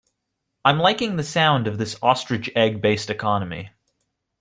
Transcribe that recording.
I'm liking the sound of this ostrich egg based economy.